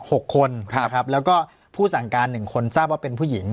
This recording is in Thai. หกคนครับนะครับแล้วก็ผู้สั่งการหนึ่งคนทราบว่าเป็นผู้หญิง